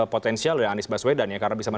potensial adalah anis baswedan